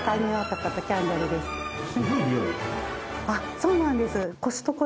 あっそうなんです。